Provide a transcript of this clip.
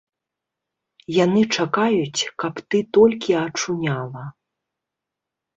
Яны чакаюць, каб ты толькі ачуняла.